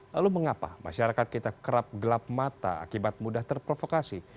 lalu mengapa masyarakat kita kerap gelap mata akibat mudah terprovokasi